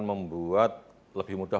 membuat lebih mudah